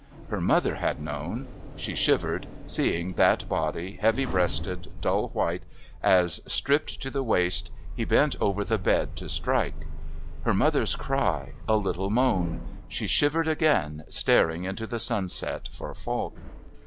Her mother had known. She shivered, seeing that body, heavy breasted, dull white, as, stripped to the waist, he bent over the bed to strike. Her mother's cry, a little moan.... She shivered again, staring into the sunset for Falk....